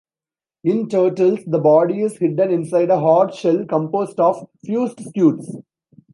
In turtles, the body is hidden inside a hard shell composed of fused scutes.